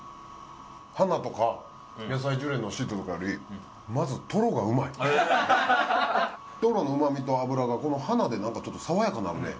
花とか野菜ジュレのシートとかよりまずトロのうまみと脂がこの花でちょっと爽やかになるね。